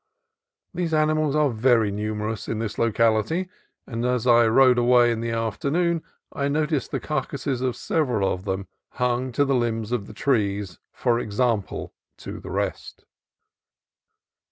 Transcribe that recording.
These animals are very numerous in this locality, and as I rode away in the afternoon I noticed the carcasses of several of them hung to the limbs of the trees for example to the rest.